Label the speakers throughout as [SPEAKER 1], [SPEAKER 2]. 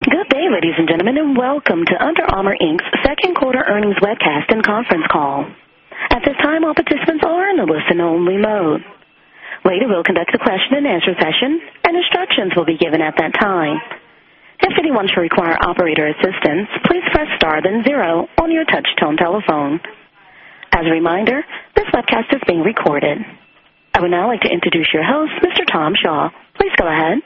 [SPEAKER 1] Good day, ladies and gentlemen, and welcome to Under Armour Inc.'s Second Quarter Earnings Webcast and Conference Call. At this time, all participants are in a listen-only mode. Later we'll conduct a question and answer session, and instructions will be given at that time. If anyone should require operator assistance, please press star, then zero on your touch-tone telephone. As a reminder, this webcast is being recorded. I would now like to introduce your host, Mr. Tom Shaw. Please go ahead.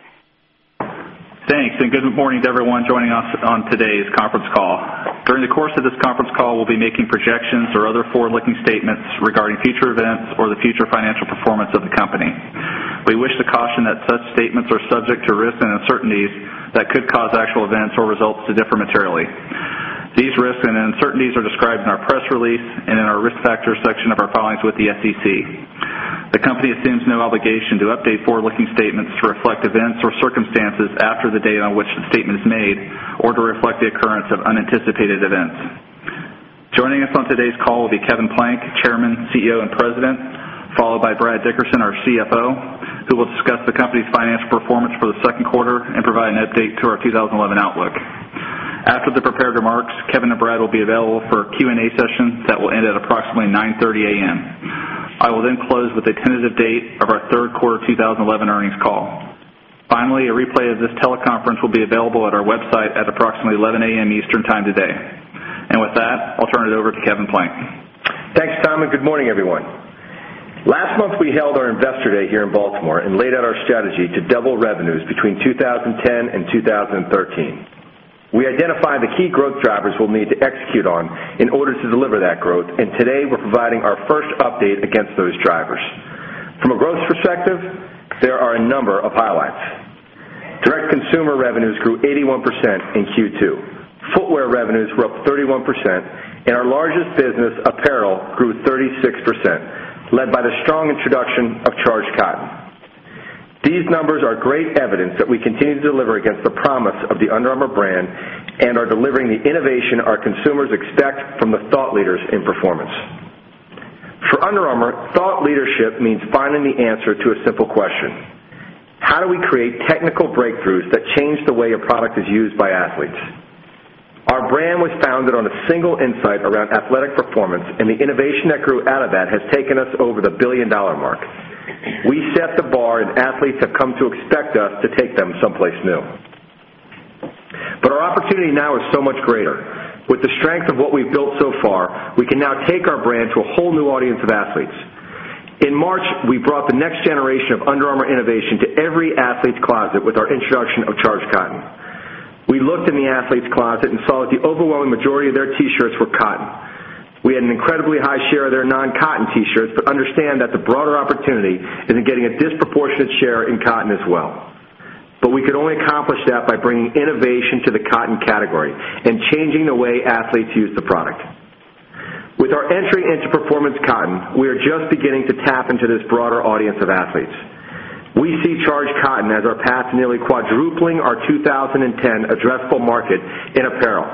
[SPEAKER 2] Thanks, and good morning to everyone joining us on today's conference call. During the course of this conference call, we'll be making projections or other forward-looking statements regarding future events or the future financial performance of the company. We wish to caution that such statements are subject to risks and uncertainties that could cause actual events or results to differ materially. These risks and uncertainties are described in our press release and in our risk factors section of our filings with the SEC. The company assumes no obligation to update forward-looking statements to reflect events or circumstances after the date on which the statement is made or to reflect the occurrence of unanticipated events. Joining us on today's call will be Kevin Plank, Chairman, CEO, and President, followed by Brad Dickerson, our CFO, who will discuss the company's financial performance for the second quarter and provide an update to our 2011 outlook. After the prepared remarks, Kevin and Brad will be available for a Q&A session that will end at approximately 9:30 A.M. I will then close with a tentative date of our Third Quarter 2011 Earnings Call. Finally, a replay of this teleconference will be available at our website at approximately 11:00 A.M. Eastern time today. With that, I'll turn it over to Kevin Plank.
[SPEAKER 3] Thanks, Tom, and good morning, everyone. Last month, we held our investor day here in Baltimore and laid out our strategy to double revenues between 2010 and 2013. We identified the key growth drivers we'll need to execute on in order to deliver that growth, and today we're providing our first update against those drivers. From a growth perspective, there are a number of highlights. Direct-to-consumer revenues grew 81% in Q2. Footwear revenues were up 31%, and our largest business, apparel, grew 36%, led by the strong introduction of Charged Cotton. These numbers are great evidence that we continue to deliver against the promise of the Under Armour brand and are delivering the innovation our consumers expect from the thought leaders in performance. For Under Armour, thought leadership means finding the answer to a simple question: how do we create technical breakthroughs that change the way a product is used by athletes? Our brand was founded on a single insight around athletic performance, and the innovation that grew out of that has taken us over the billion-dollar mark. We set the bar, and athletes have come to expect us to take them someplace new. Our opportunity now is so much greater. With the strength of what we've built so far, we can now take our brand to a whole new audience of athletes. In March, we brought the next generation of Under Armour innovation to every athlete's closet with our introduction of Charged Cotton. We looked in the athlete's closet and saw that the overwhelming majority of their T-shirts were cotton. We had an incredibly high share of their non-cotton T-shirts, but understand that the broader opportunity is in getting a disproportionate share in cotton as well. We can only accomplish that by bringing innovation to the cotton category and changing the way athletes use the product. With our entry into performance cotton, we are just beginning to tap into this broader audience of athletes. We see Charged Cotton as our path to nearly quadrupling our 2010 addressable market in apparel,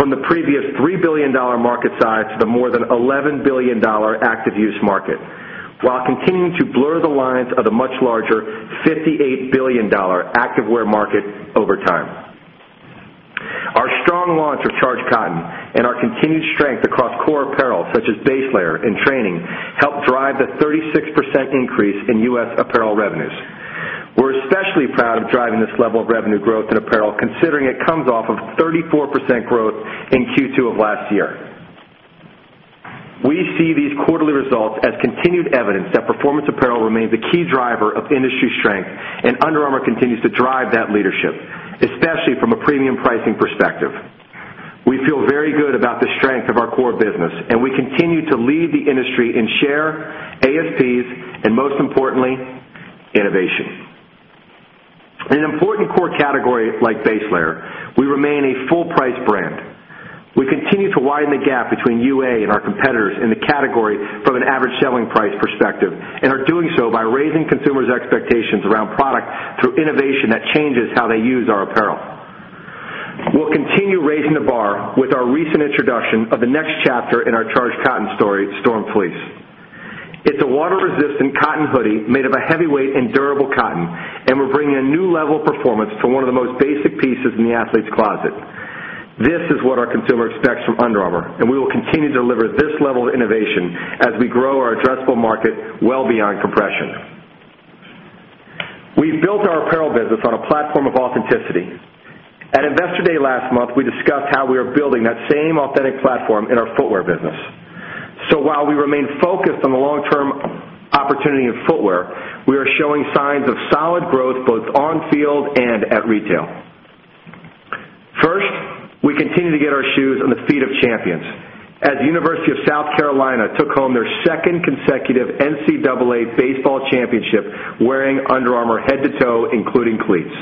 [SPEAKER 3] from the previous $3 billion market size to the more than $11 billion active-use market, while continuing to blur the lines of the much larger $58 billion active-wear market over time. Our strong launch of Charged Cotton and our continued strength across core apparel, such as face layer and training, helped drive the 36% increase in U.S. apparel revenues. We're especially proud of driving this level of revenue growth in apparel, considering it comes off of 34% growth in Q2 of last year. We see these quarterly results as continued evidence that performance apparel remains a key driver of industry strength, and Under Armour continues to drive that leadership, especially from a premium pricing perspective. We feel very good about the strength of our core business, and we continue to lead the industry in share, ASPs, and most importantly, innovation. In an important core category like face layer, we remain a full-price brand. We continue to widen the gap between UA and our competitors in the category from an average selling price perspective and are doing so by raising consumers' expectations around product through innovation that changes how they use our apparel. We'll continue raising the bar with our recent introduction of the next chapter in our Charged Cotton story, Storm Fleece. It's a water-resistant cotton hoodie made of a heavyweight and durable cotton, and we're bringing a new level of performance to one of the most basic pieces in the athlete's closet. This is what our consumer expects from Under Armour, and we will continue to deliver this level of innovation as we grow our addressable market well beyond compression. We built our apparel business on a platform of authenticity. At investor day last month, we discussed how we are building that same authentic platform in our footwear business. While we remain focused on the long-term opportunity in footwear, we are showing signs of solid growth both on field and at retail. First, we continue to get our shoes on the feet of champions as the University of South Carolina took home their second consecutive NCAA baseball championship wearing Under Armour head to toe, including cleats.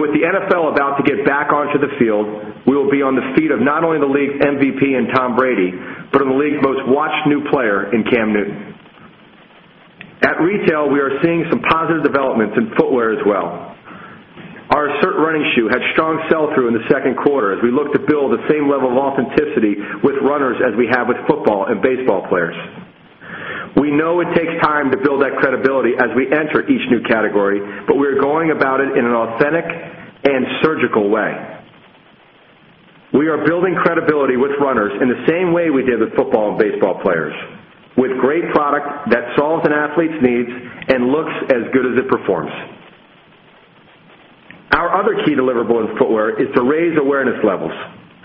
[SPEAKER 3] With the NFL about to get back onto the field, we will be on the feet of not only the league's MVP in Tom Brady, but in the league's most watched new player in Cam Newton. At retail, we are seeing some positive developments in footwear as well. Our Assert running shoe had strong sell-through in the second quarter as we look to build the same level of authenticity with runners as we have with football and baseball players. We know it takes time to build that credibility as we enter each new category, but we are going about it in an authentic and surgical way. We are building credibility with runners in the same way we did with football and baseball players, with great product that solves an athlete's needs and looks as good as it performs. Our other key deliverable in footwear is to raise awareness levels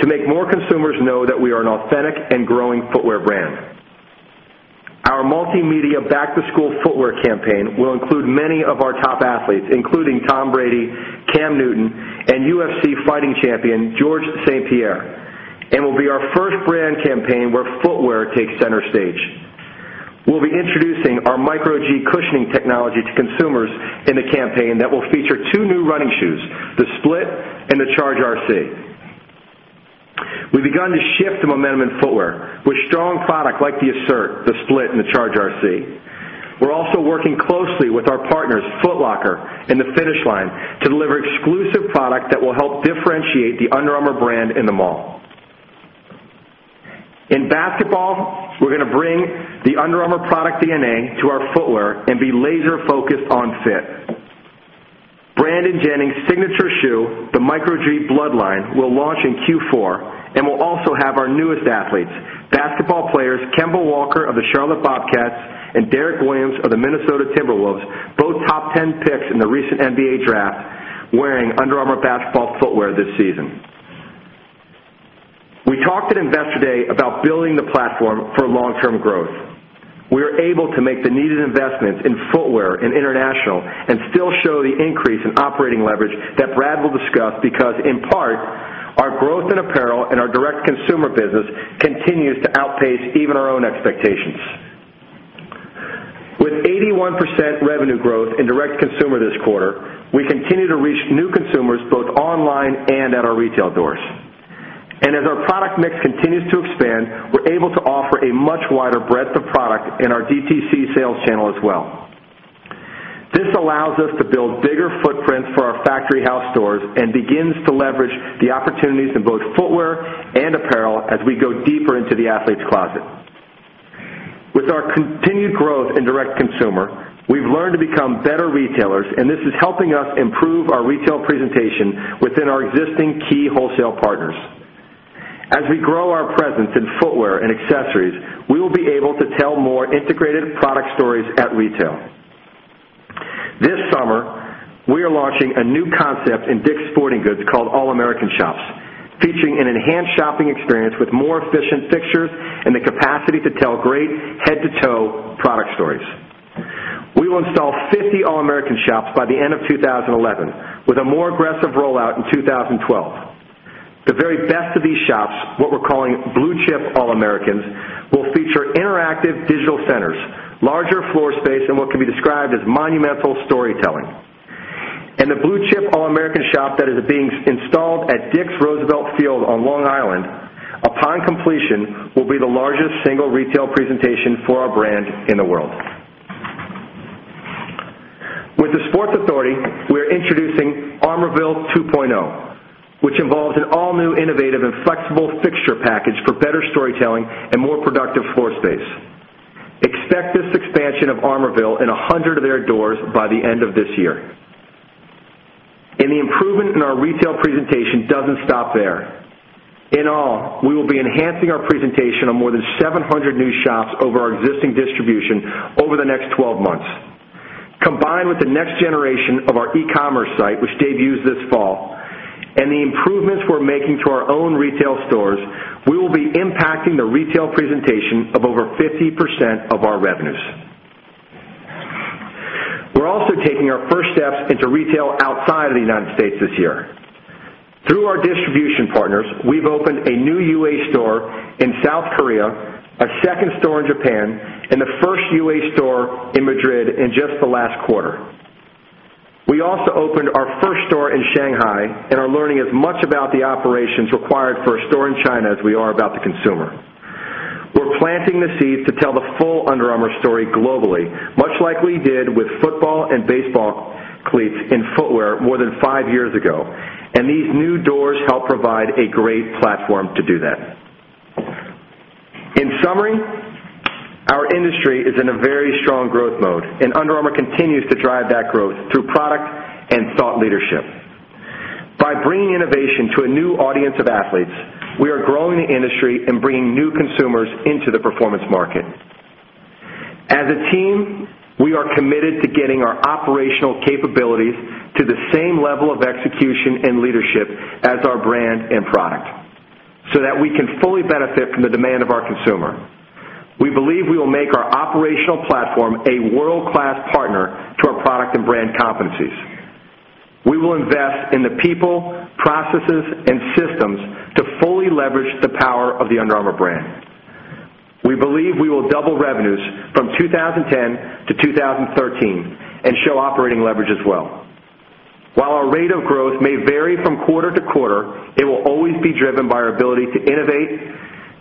[SPEAKER 3] to make more consumers know that we are an authentic and growing footwear brand. Our multimedia back-to-school footwear campaign will include many of our top athletes, including Tom Brady, Cam Newton, and UFC fighting champion, Georges St-Pierre, and will be our first brand campaign where footwear takes center stage. We'll be introducing our Micro G cushioning technology to consumers in the campaign that will feature two new running shoes, the Split and the Charge RC. We've begun to shift the momentum in footwear with strong product like the Assert, the Split, and the Charge RC. We're also working closely with our partners, Foot Locker, and the Finish Line to deliver exclusive product that will help differentiate the Under Armour brand in the mall. In basketball, we're going to bring the Under Armour product DNA to our footwear and be laser-focused on fit. Brandon Jennings' signature shoe, the Micro G Bloodline, will launch in Q4 and will also have our newest athletes, basketball players Kemba Walker of the Charlotte Bobcats and Derek Williams of the Minnesota Timberwolves, both top 10 picks in the recent NBA draft, wearing Under Armour basketball footwear this season. We talked at investor day about building the platform for long-term growth. We were able to make the needed investments in footwear and international and still show the increase in operating leverage that Brad will discuss because, in part, our growth in apparel and our direct consumer business continues to outpace even our own expectations. With an 81% revenue growth in direct consumer this quarter, we continue to reach new consumers both online and at our retail doors. As our product mix continues to expand, we're able to offer a much wider breadth of product in our DTC sales channel as well. This allows us to build bigger footprints for our factory house stores and begins to leverage the opportunities in both footwear and apparel as we go deeper into the athlete's closet. With our continued growth in direct consumer, we've learned to become better retailers, and this is helping us improve our retail presentation within our existing key wholesale partners. As we grow our presence in footwear and accessories, we will be able to tell more integrated product stories at retail. This summer, we are launching a new concept in DICK'S Sporting Goods called All-American Shops, featuring an enhanced shopping experience with more efficient fixtures and the capacity to tell great head-to-toe product stories. We will install 50 All-American Shops by the end of 2011, with a more aggressive rollout in 2012. The very best of these shops, what we're calling Blue Chip All-Americans, will feature interactive digital centers, larger floor space, and what can be described as monumental storytelling. The Blue Chip All-American Shop that is being installed at DICK'S Roosevelt Field on Long Island, upon completion, will be the largest single retail presentation for our brand in the world. With The Sports Authority, we are introducing [Armour Vail] 2.0, which involves an all-new innovative and flexible fixture package for better storytelling and more productive floor space. Expect this expansion of [Armour Vail] in 100 of their doors by the end of this year. The improvement in our retail presentation doesn't stop there. In all, we will be enhancing our presentation on more than 700 new shops over our existing distribution over the next 12 months. Combined with the next generation of our e-commerce site, which debuts this fall, and the improvements we're making to our own retail stores, we will be impacting the retail presentation of over 50% of our revenues. We're also taking our first steps into retail outside of the U.S. this year. Through our distribution partners, we've opened a new UA store in South Korea, a second store in Japan, and the first UA store in Madrid in just the last quarter. We also opened our first store in Shanghai and are learning as much about the operations required for a store in China as we are about the consumer. We're planting the seeds to tell the full Under Armour story globally, much like we did with football and baseball cleats in footwear more than five years ago, and these new doors help provide a great platform to do that. In summary, our industry is in a very strong growth mode, and Under Armour continues to drive that growth through product and thought leadership. By bringing innovation to a new audience of athletes, we are growing the industry and bringing new consumers into the performance market. As a team, we are committed to getting our operational capabilities to the same level of execution and leadership as our brand and product so that we can fully benefit from the demand of our consumer. We believe we will make our operational platform a world-class partner for our product and brand competencies. We will invest in the people, processes, and systems to fully leverage the power of the Under Armour brand. We believe we will double revenues from 2010 to 2013 and show operating leverage as well. While our rate of growth may vary from quarter to quarter, it will always be driven by our ability to innovate,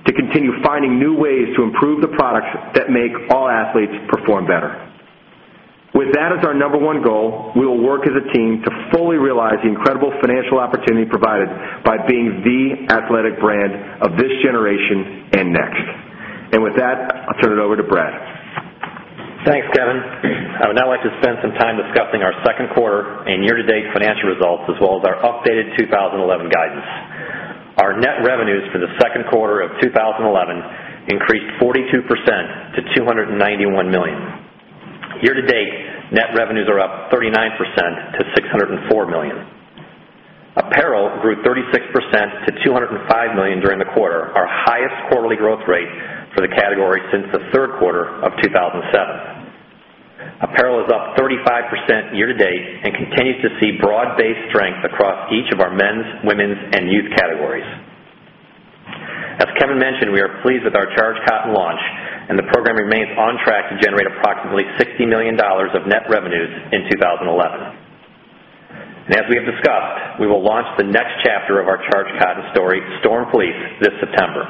[SPEAKER 3] to continue finding new ways to improve the products that make all athletes perform better. With that as our number one goal, we will work as a team to fully realize the incredible financial opportunity provided by being the athletic brand of this generation and next. With that, I'll turn it over to Brad.
[SPEAKER 4] Thanks, Kevin. I would now like to spend some time discussing our second quarter and year-to-date financial results, as well as our updated 2011 guidance. Our net revenues for the second quarter of 2011 increased 42% to $291 million. Year-to-date net revenues are up 39% to $604 million. Apparel grew 36% to $205 million during the quarter, our highest quarterly growth rate for the category since the third quarter of 2007. Apparel is up 35% year-to-date and continues to see broad-based strength across each of our men's, women's, and youth categories. As Kevin mentioned, we are pleased with our Charged Cotton launch, and the program remains on track to generate approximately $60 million of net revenues in 2011. As we have discussed, we will launch the next chapter of our Charged Cotton story, Storm Fleece, this September.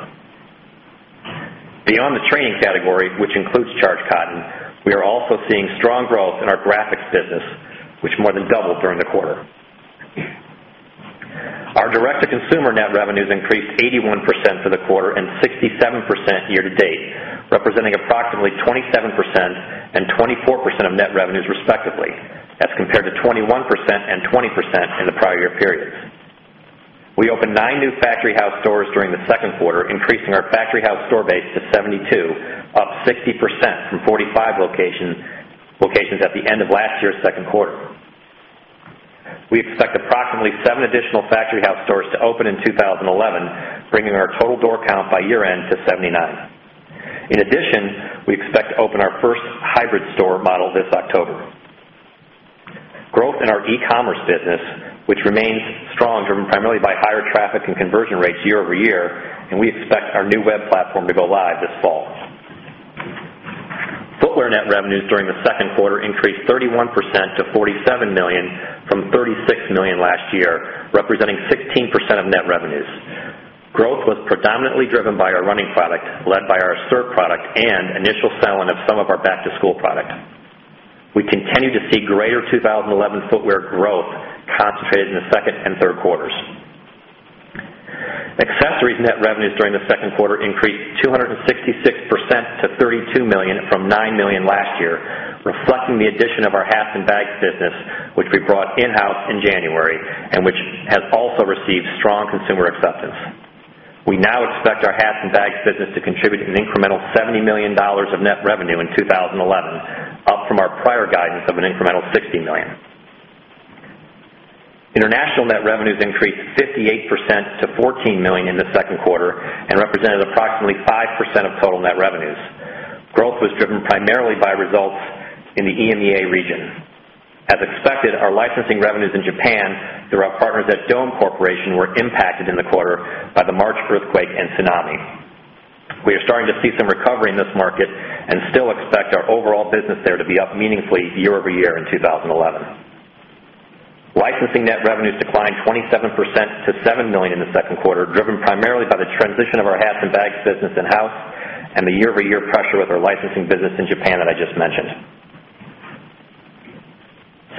[SPEAKER 4] Beyond the training category, which includes Charged Cotton, we are also seeing strong growth in our graphics business, which more than doubled during the quarter. Our direct-to-consumer net revenues increased 81% for the quarter and 67% year-to-date, representing approximately 27% and 24% of net revenues, respectively, as compared to 21% and 20% in the prior year periods. We opened nine new factory house stores during the second quarter, increasing our factory house store base to 72, up 50% from 45 locations at the end of last year's second quarter. We expect approximately seven additional factory house stores to open in 2011, bringing our total door count by year-end to 79. In addition, we expect to open our first hybrid store model this October. Growth in our e-commerce business remains strong, driven primarily by higher traffic and conversion rates year-over-year, and we expect our new web platform to go live this fall. Footwear net revenues during the second quarter increased 31% to $47 million from $36 million last year, representing 16% of net revenues. Growth was predominantly driven by our running product, led by our Assert product, and initial selling of some of our back-to-school product. We continue to see greater 2011 footwear growth concentrated in the second and third quarters. Accessories net revenues during the second quarter increased 266% to $32 million from $9 million last year, reflecting the addition of our hats and bags business, which we brought in-house in January and which has also received strong consumer acceptance. We now expect our hats and bags business to contribute an incremental $70 million of net revenue in 2011, up from our prior guidance of an incremental $60 million. International net revenues increased 58% to $14 million in the second quarter and represented approximately 5% of total net revenues. Growth was driven primarily by results in the EMEA region. As expected, our licensing revenues in Japan through our partners at DOME Corporation were impacted in the quarter by the March earthquake and tsunami. We are starting to see some recovery in this market and still expect our overall business there to be up meaningfully year-over-year in 2011. Licensing net revenues declined 27% to $7 million in the second quarter, driven primarily by the transition of our hats and bags business in-house and the year-over-year pressure with our licensing business in Japan that I just mentioned.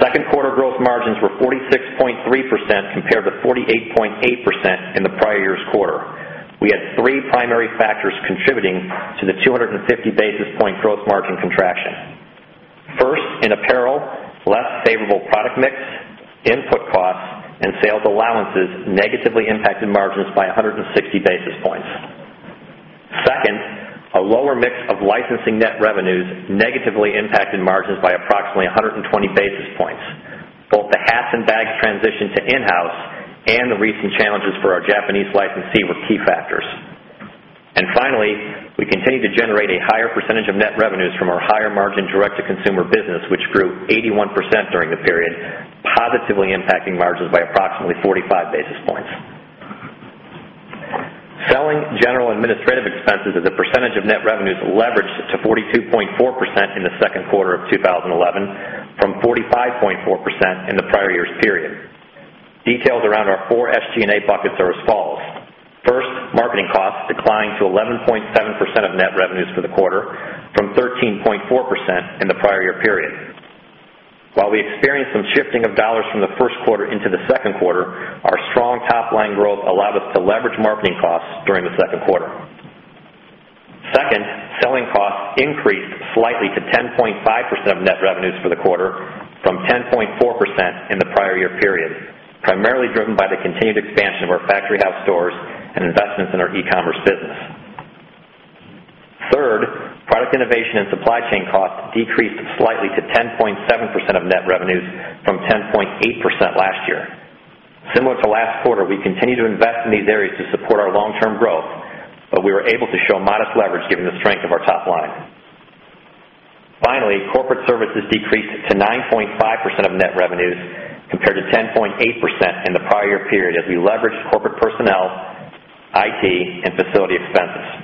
[SPEAKER 4] Second quarter gross margins were 46.3% compared with 48.8% in the prior year's quarter. We had three primary factors contributing to the 250 basis point gross margin contraction. First, in apparel, less favorable product mix, input costs, and sales allowances negatively impacted margins by 160 basis points. Second, a lower mix of licensing net revenues negatively impacted margins by approximately 120 basis points. Both the hats and bags transition to in-house and the recent challenges for our Japanese licensee were key factors. Finally, we continue to generate a higher percentage of net revenues from our higher margin direct-to-consumer business, which grew 81% during the period, positively impacting margins by approximately 45 basis points. Selling, general, and administrative expenses as a percentage of net revenues leveraged to 42.4% in the second quarter of 2011 from 45.4% in the prior year's period. Details around our four SG&A buckets are as follows: first, marketing costs declined to 11.7% of net revenues for the quarter from 13.4% in the prior year period. While we experienced some shifting of dollars from the first quarter into the second quarter, our strong top-line growth allowed us to leverage marketing costs during the second quarter. Second, selling costs increased slightly to 10.5% of net revenues for the quarter from 10.4% in the prior year period, primarily driven by the continued expansion of our factory house stores and investments in our e-commerce business. Third, product innovation and supply chain costs decreased slightly to 10.7% of net revenues from 10.8% last year. Similar to last quarter, we continue to invest in these areas to support our long-term growth, but we were able to show modest leverage given the strength of our top line. Finally, corporate services decreased to 9.5% of net revenues compared to 10.8% in the prior year period as we leveraged corporate personnel, IT, and facility expenses.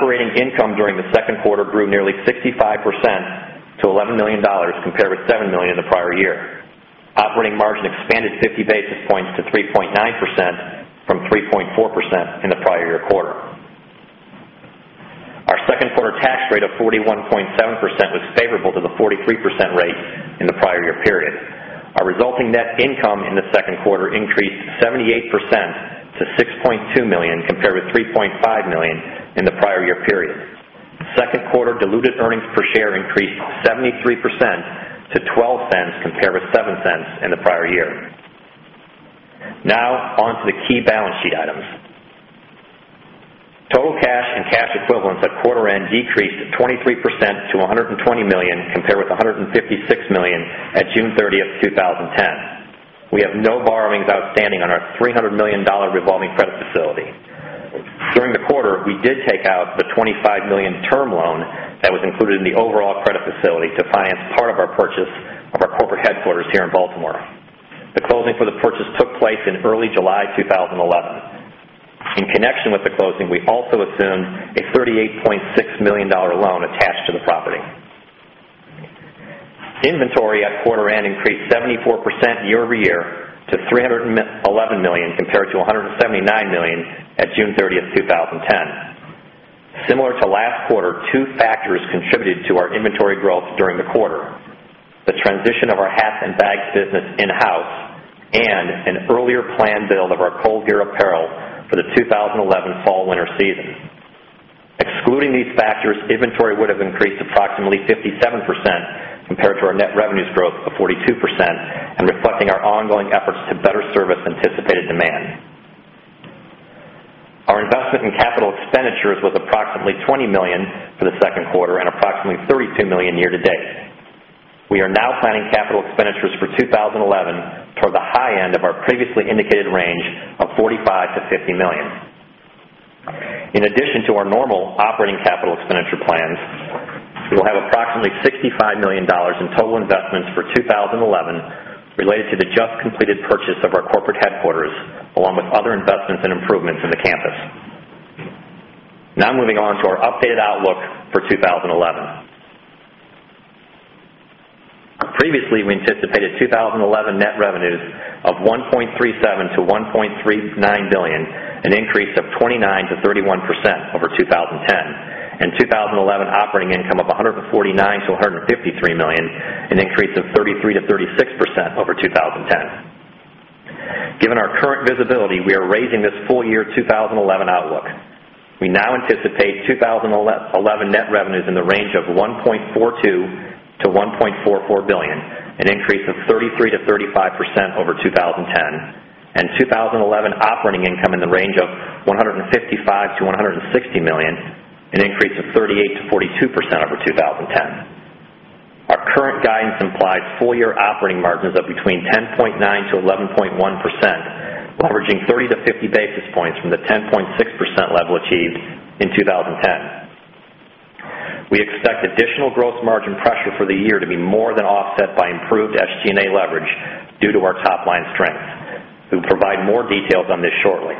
[SPEAKER 4] Operating income during the second quarter grew nearly 65% to $11 million compared with $7 million in the prior year. Operating margin expanded 50 basis points to 3.9% from 3.4% in the prior year quarter. Our second quarter tax rate of 41.7% was favorable to the 43% rate in the prior year period. Our resulting net income in the second quarter increased 78% to $6.2 million compared with $3.5 million in the prior year period. Second quarter diluted earnings per share increased 73% to $0.12 compared with $0.07 in the prior year. Now on to the key balance sheet items. Total cash and cash equivalents at quarter end decreased 23% to $120 million compared with $156 million at June 30th, 2010. We have no borrowings outstanding on our $300 million revolving credit facility. During the quarter, we did take out the $25 million term loan that was included in the overall credit facility to finance part of our purchase of our corporate headquarters here in Baltimore. The closing for the purchase took place in early July 2011. In connection with the closing, we also assumed a $38.6 million loan attached to the property. Inventory at quarter end increased 74% year-over-year to $311 million compared to $179 million at June 30th, 2010. Similar to last quarter, two factors contributed to our inventory growth during the quarter: the transition of our hats and bags business in-house and an earlier planned build of our cold gear apparel for the 2011 fall/winter season. Excluding these factors, inventory would have increased approximately 57% compared to our net revenues growth of 42% and reflecting our ongoing efforts to better service anticipated demand. Our investment in capital expenditures was approximately $20 million for the second quarter and approximately $32 million year to date. We are now planning capital expenditures for 2011 toward the high end of our previously indicated range of $45 million-$50 million. In addition to our normal operating capital expenditure plans, we will have approximately $65 million in total investments for 2011 related to the just completed purchase of our corporate headquarters, along with other investments and improvements in the campus. Now moving on to our updated outlook for 2011. Previously, we anticipated 2011 net revenues of $1.37 billion-$1.39 billion, an increase of 29%-31% over 2010, and 2011 operating income of $149 million-$153 million, an increase of 33%-36% over 2010. Given our current visibility, we are raising this full-year 2011 outlook. We now anticipate 2011 net revenues in the range of $1.42 billion-$1.44 billion, an increase of 33%-35% over 2010, and 2011 operating income in the range of $155 million-$160 million, an increase of 38%-42% over 2010. Our current guidance implies full-year operating margins of between 10.9%-11.1%, leveraging 30 basis points-50 basis points from the 10.6% level achieved in 2010. We expect additional gross margin pressure for the year to be more than offset by improved SG&A leverage due to our top-line strengths. We will provide more details on this shortly.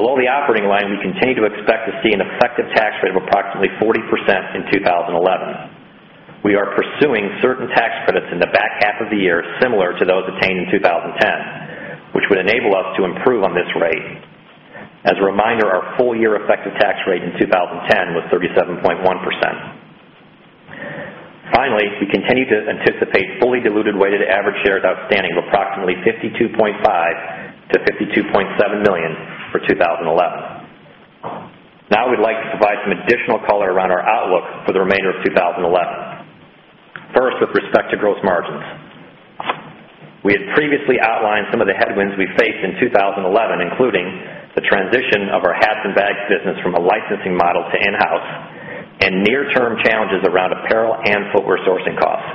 [SPEAKER 4] Below the operating line, we continue to expect to see an effective tax rate of approximately 40% in 2011. We are pursuing certain tax credits in the back half of the year similar to those attained in 2010, which would enable us to improve on this rate. As a reminder, our full-year effective tax rate in 2010 was 37.1%. Finally, we continue to anticipate fully diluted weighted average shares outstanding of approximately 52.5 million-52.7 million for 2011. Now we'd like to provide some additional color around our outlook for the remainder of 2011. First, with respect to gross margins, we had previously outlined some of the headwinds we faced in 2011, including the transition of our hats and bags business from a licensing model to in-house and near-term challenges around apparel and footwear sourcing costs.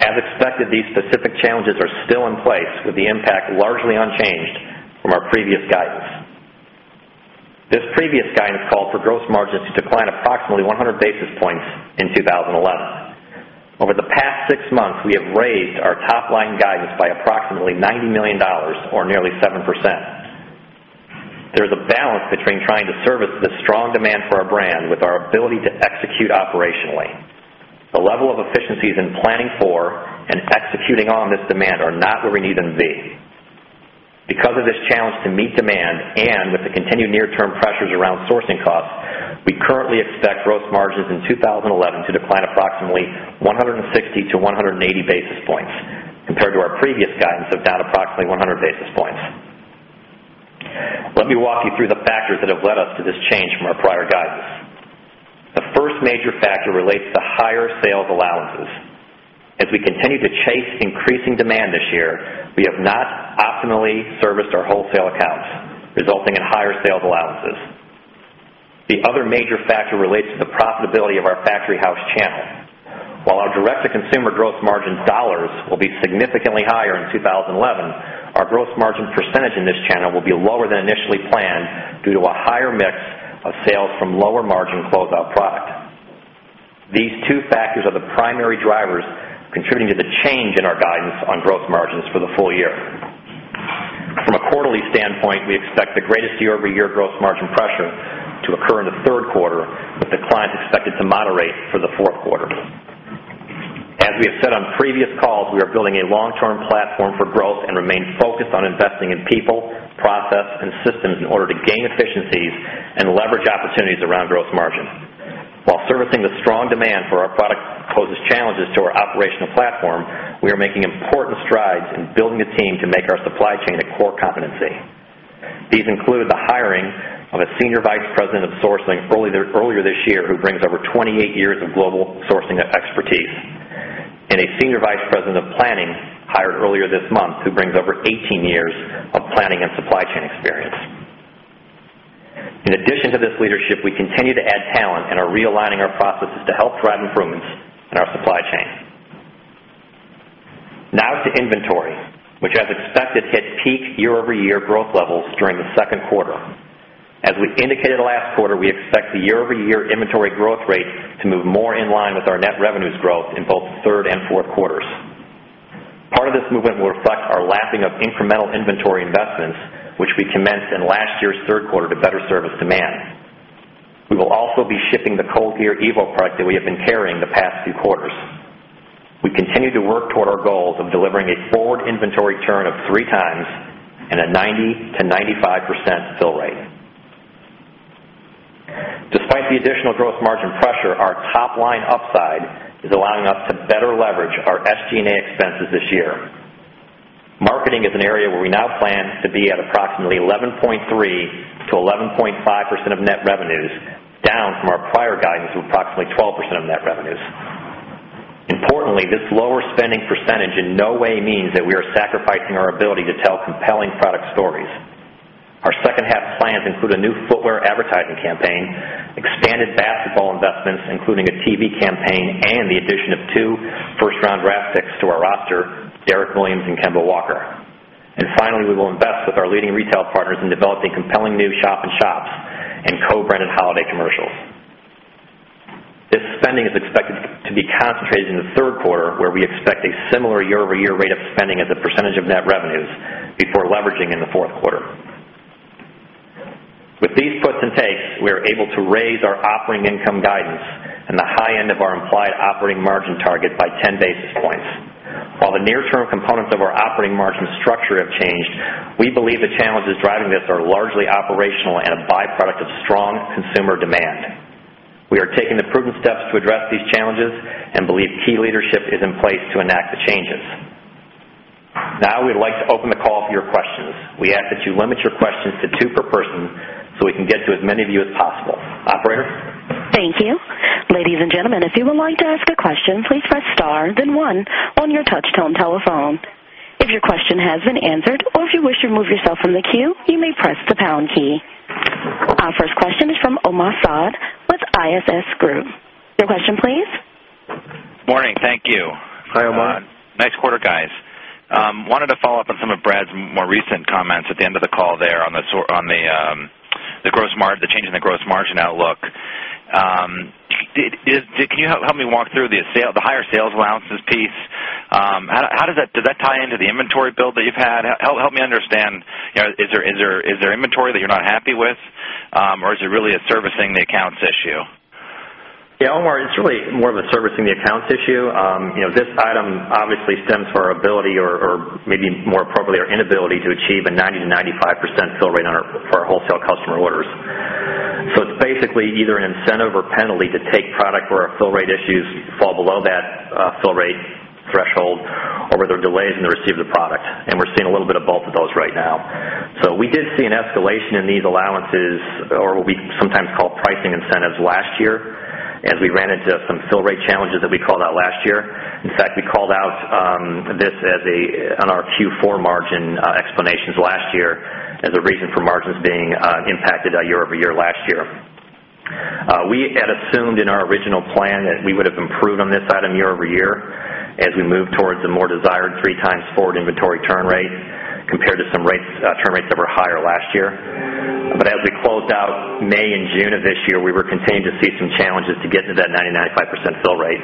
[SPEAKER 4] As expected, these specific challenges are still in place, with the impact largely unchanged from our previous guidance. This previous guidance called for gross margins to decline approximately 100 basis points in 2011. Over the past six months, we have raised our top-line guidance by approximately $90 million, or nearly 7%. There is a balance between trying to service the strong demand for our brand with our ability to execute operationally. The level of efficiencies in planning for and executing on this demand are not where we need them to be. Because of this challenge to meet demand and with the continued near-term pressures around sourcing costs, we currently expect gross margins in 2011 to decline approximately 160 basis points-180 basis points compared to our previous guidance of down approximately 100 basis points. Let me walk you through the factors that have led us to this change from our prior guidance. The first major factor relates to higher sales allowances. As we continue to chase increasing demand this year, we have not optimally serviced our wholesale accounts, resulting in higher sales allowances. The other major factor relates to the profitability of our factory house channel. While our direct-to-consumer gross margin dollars will be significantly higher in 2011, our gross margin percentage in this channel will be lower than initially planned due to a higher mix of sales from lower margin close-out product. These two factors are the primary drivers contributing to the change in our guidance on gross margins for the full year. From a quarterly standpoint, we expect the greatest year-over-year gross margin pressure to occur in the third quarter, with declines expected to moderate for the fourth quarter. As we have said on previous calls, we are building a long-term platform for growth and remain focused on investing in people, process, and systems in order to gain efficiencies and leverage opportunities around gross margin. While servicing the strong demand for our product poses challenges to our operational platform, we are making important strides in building a team to make our supply chain a core competency. These include the hiring of a Senior Vice President of Sourcing earlier this year, who brings over 28 years of global sourcing expertise, and a Senior Vice President of Planning hired earlier this month, who brings over 18 years of planning and supply chain experience. In addition to this leadership, we continue to add talent and are realigning our processes to help drive improvements in our supply chain. Now to inventory, which, as expected, hit peak year-over-year growth levels during the second quarter. As we indicated last quarter, we expect the year-over-year inventory growth rate to move more in line with our net revenues growth in both third and fourth quarters. Part of this movement will reflect our lapping of incremental inventory investments, which we commenced in last year's third quarter to better service demand. We will also be shipping the ColdGear Evo product that we have been carrying the past few quarters. We continue to work toward our goals of delivering a forward inventory churn of 3x and a 90%-95% fill rate. Despite the additional gross margin pressure, our top-line upside is allowing us to better leverage our SG&A expenses this year. Marketing is an area where we now plan to be at approximately 11.3%-11.5% of net revenues, down from our prior guidance of approximately 12% of net revenues. Importantly, this lower spending percentage in no way means that we are sacrificing our ability to tell compelling product stories. Our second half plans include a new footwear advertising campaign, expanded basketball investments, including a TV campaign, and the addition of two first-round draft picks to our roster, Derrick Williams and Kemba Walker. Finally, we will invest with our leading retail partners in developing compelling new shop-in-shops and a co-branded holiday commercial. This spending is expected to be concentrated in the third quarter, where we expect a similar year-over-year rate of spending as a percentage of net revenues before leveraging in the fourth quarter. With these puts and takes, we are able to raise our operating income guidance and the high end of our implied operating margin target by 10 basis points. While the near-term components of our operating margin structure have changed, we believe the challenges driving this are largely operational and a byproduct of strong consumer demand. We are taking the proven steps to address these challenges and believe key leadership is in place to enact the changes. Now we'd like to open the call for your questions. We ask that you limit your questions to two per person so we can get to as many of you as possible. Operator?
[SPEAKER 1] Thank you. Ladies and gentlemen, if you would like to ask a question, please press star then one on your touch-tone telephone. If your question has been answered or if you wish to remove yourself from the queue, you may press the pound key. Our first question is from [Omar Saad] with ISS Group. Your question, please. Morning. Thank you.
[SPEAKER 2] Hi, Omar. Nice quarter, guys. I wanted to follow up on some of Brad's more recent comments at the end of the call there on the gross margin, the change in the gross margin outlook. Can you help me walk through the higher sales allowances piece? How does that tie into the inventory build that you've had? Help me understand, you know, is there inventory that you're not happy with, or is it really a servicing the accounts issue?
[SPEAKER 3] Yeah, Omar, it's really more of a servicing the accounts issue. You know, this item obviously stems from our ability or maybe more appropriately, our inability to achieve a 90%-95% fill rate for our wholesale customer orders. It's basically either an incentive or penalty to take product where our fill rate issues fall below that fill rate threshold or where there are delays in the receipt of the product. We're seeing a little bit of both of those right now. We did see an escalation in these allowances, or what we sometimes call pricing incentives, last year as we ran into some fill rate challenges that we called out last year. In fact, we called out this as a reason on our Q4 margin explanations last year for margins being impacted year-over-year. We had assumed in our original plan that we would have improved on this item year-over-year as we moved towards a more desired 3x forward inventory churn rate compared to some churn rates that were higher last year. As we closed out May and June of this year, we were continuing to see some challenges to get to that 90%-95% fill rate,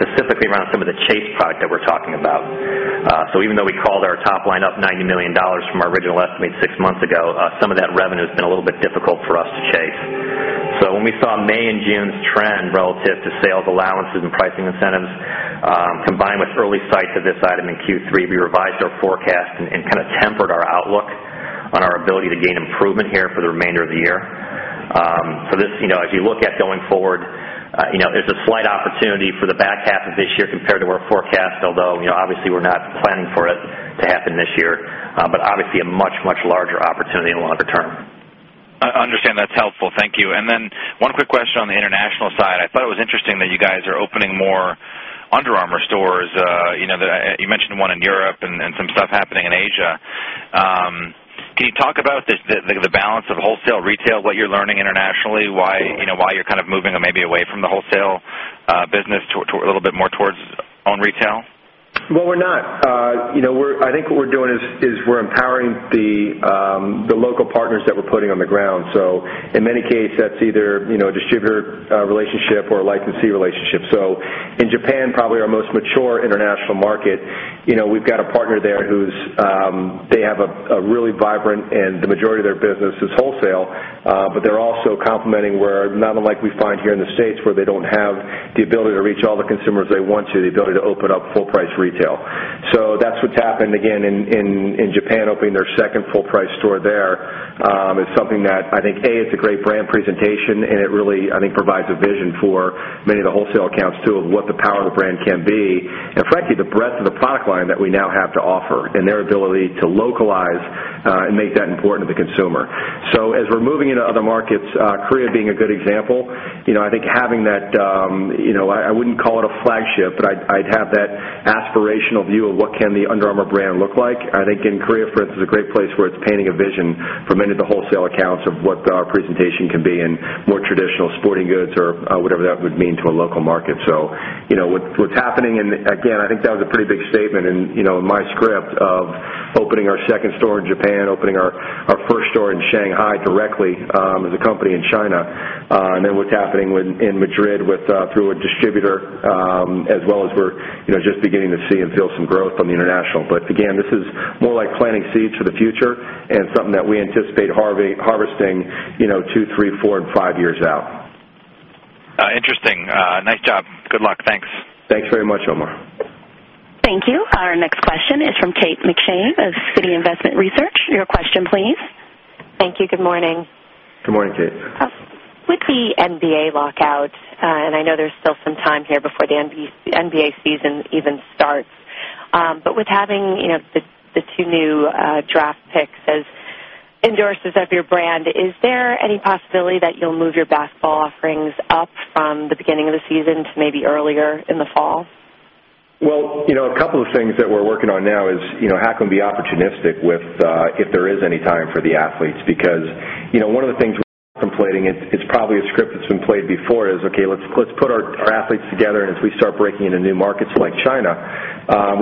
[SPEAKER 3] specifically around some of the Chase product that we're talking about. Even though we called our top line up $90 million from our original estimates six months ago, some of that revenue has been a little bit difficult for us to chase. When we saw May and June's trend relative to sales allowances and pricing incentives, combined with early sights of this item in Q3, we revised our forecast and kind of tempered our outlook on our ability to gain improvement here for the remainder of the year. As you look at going forward, there's a slight opportunity for the back half of this year compared to our forecast, although we're not planning for it to happen this year, but obviously a much, much larger opportunity in the longer term. I understand that's helpful. Thank you. One quick question on the international side. I thought it was interesting that you guys are opening more Under Armour stores. You mentioned one in Europe and some stuff happening in Asia. Can you talk about the balance of wholesale retail, what you're learning internationally, why you're kind of moving maybe away from the wholesale business to a little bit more towards on retail? I think what we're doing is we're empowering the local partners that we're putting on the ground. In many cases, that's either a distributor relationship or a licensee relationship. In Japan, probably our most mature international market, we've got a partner there who has a really vibrant business and the majority of their business is wholesale, but they're also complementing where, not unlike we find here in the States where they don't have the ability to reach all the consumers they want to, the ability to open up full-price retail. That's what's happened again in Japan, opening their second full-price store there. It's something that I think, A, it's a great brand presentation, and it really provides a vision for many of the wholesale accounts too of what the power of the brand can be. Frankly, the breadth of the product line that we now have to offer and their ability to localize and make that important to the consumer. As we're moving into other markets, South Korea being a good example, I think having that, I wouldn't call it a flagship, but I'd have that aspirational view of what can the Under Armour brand look like. I think in South Korea, for instance, is a great place where it's painting a vision for many of the wholesale accounts of what our presentation can be in more traditional sporting goods or whatever that would mean to a local market. What's happening in, again, I think that was a pretty big statement in my script of opening our second store in Japan, opening our first store in Shanghai directly as a company in China, and then what's happening in Madrid through a distributor, as well as we're just beginning to see and feel some growth on the international. This is more like planting seeds for the future and something that we anticipate harvesting two, three, four, and five years out. Interesting. Nice job. Good luck. Thanks.
[SPEAKER 2] Thanks very much, Omar.
[SPEAKER 1] Thank you. Our next question is from Kate McShane of Citi Investment Research. Your question, please.
[SPEAKER 5] Thank you. Good morning.
[SPEAKER 2] Good morning, Kate.
[SPEAKER 5] With the NBA lockout, and I know there's still some time here before the NBA season even starts, but with having the two new draft picks as endorsers of your brand, is there any possibility that you'll move your basketball offerings up from the beginning of the season to maybe earlier in the fall?
[SPEAKER 3] A couple of things that we're working on now are how can we be opportunistic if there is any time for the athletes because one of the things I'm playing is it's probably a script that's been played before: okay, let's put our athletes together, and as we start breaking into new markets like China,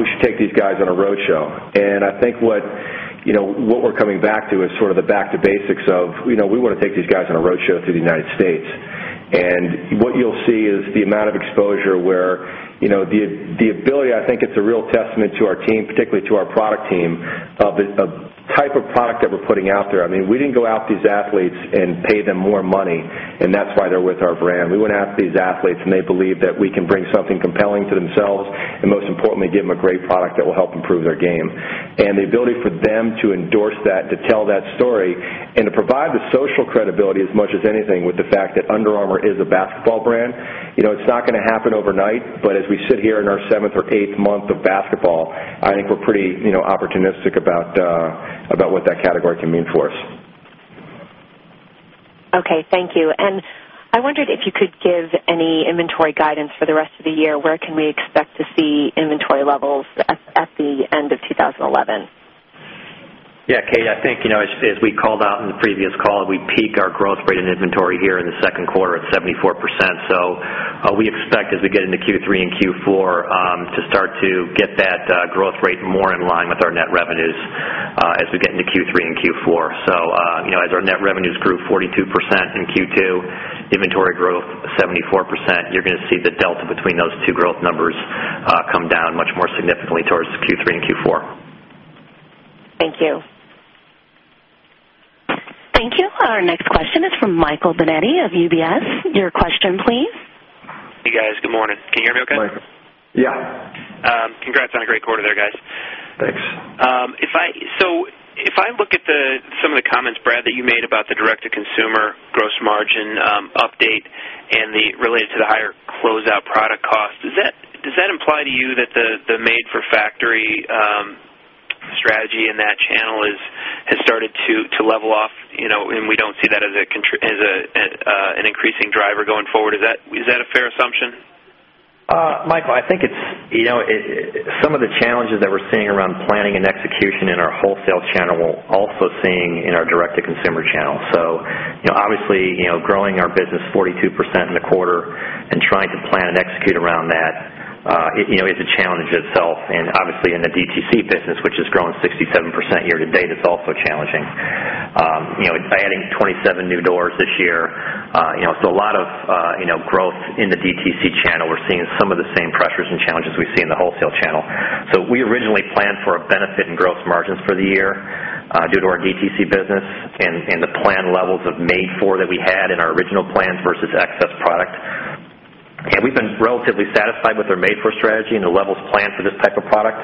[SPEAKER 3] we should take these guys on a roadshow. I think what we're coming back to is sort of the back to basics of we want to take these guys on a roadshow through the United States. What you'll see is the amount of exposure where the ability, I think it's a real testament to our team, particularly to our product team, of the type of product that we're putting out there. I mean, we didn't go out to these athletes and pay them more money, and that's why they're with our brand. We went out to these athletes, and they believe that we can bring something compelling to themselves and, most importantly, give them a great product that will help improve their game. The ability for them to endorse that, to tell that story, and to provide the social credibility as much as anything with the fact that Under Armour is a basketball brand, it's not going to happen overnight, but as we sit here in our seventh or eighth month of basketball, I think we're pretty opportunistic about what that category can mean for us.
[SPEAKER 5] Okay. Thank you. I wondered if you could give any inventory guidance for the rest of the year. Where can we expect to see inventory levels at the end of 2011?
[SPEAKER 4] Yeah, Kate, I think, as we called out in the previous call, we peaked our growth rate in inventory here in the second quarter at 74%. We expect as we get into Q3 and Q4 to start to get that growth rate more in line with our net revenues as we get into Q3 and Q4. As our net revenues grew 42% in Q2, inventory growth 74%, you're going to see the delta between those two growth numbers come down much more significantly towards Q3 and Q4.
[SPEAKER 5] Thank you.
[SPEAKER 1] Thank you. Our next question is from Michele Benetti of UBS. Your question, please.
[SPEAKER 6] Hey, guys. Good morning. Can you hear me okay?
[SPEAKER 2] Yeah.
[SPEAKER 6] Congrats on a great quarter there, guys.
[SPEAKER 2] Thanks.
[SPEAKER 6] If I look at some of the comments, Brad, that you made about the direct-to-consumer gross margin update and the related to the higher close-out product cost, does that imply to you that the made-for-factory strategy in that channel has started to level off, you know, and we don't see that as an increasing driver going forward? Is that a fair assumption?
[SPEAKER 4] Michele, I think it's some of the challenges that we're seeing around planning and execution in our wholesale channel we're also seeing in our direct-to-consumer channel. Obviously, growing our business 42% in the quarter and trying to plan and execute around that is a challenge in itself. Obviously, in the DTC business, which is growing 67% year to date, it's also challenging. By adding 27 new doors this year, it's a lot of growth in the DTC channel. We're seeing some of the same pressures and challenges we see in the wholesale channel. We originally planned for a benefit in gross margins for the year, due to our DTC business and the planned levels of made-for that we had in our original plans versus excess product. We've been relatively satisfied with our made-for strategy and the levels planned for this type of product,